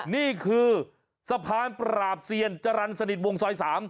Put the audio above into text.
นี่คือสะพานปราบเซียนจรรย์สนิทวงซอย๓